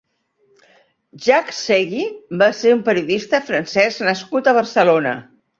Jacques Ségui va ser un periodista francès nascut a Barcelona.